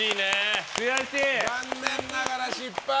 残念ながら失敗！